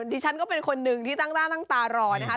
ดิฉันก็เป็นคนหนึ่งที่ตั้งหน้าตั้งตารอนะคะ